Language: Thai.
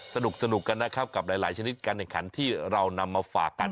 สนุกกันนะครับกับหลายชนิดการแข่งขันที่เรานำมาฝากกัน